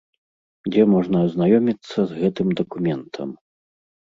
Дзе можна азнаёміцца з гэтым дакументам?